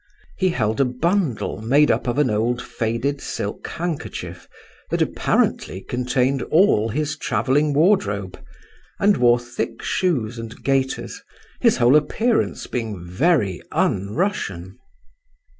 He held a bundle made up of an old faded silk handkerchief that apparently contained all his travelling wardrobe, and wore thick shoes and gaiters, his whole appearance being very un Russian.